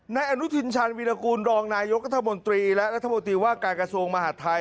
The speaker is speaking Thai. ในอนุทินชาญวิรากูลรองนายกรรภบนตรีและรัฐบุตรีว่าการกระทรวงมหาธัย